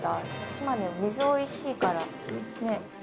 島根は水美味しいからね。